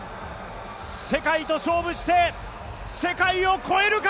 世界と勝負して、世界を越えるか。